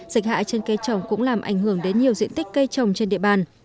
dịch hại trên cây trồng cũng làm ảnh hưởng đến nhiều diện tích cây trồng trên địa bàn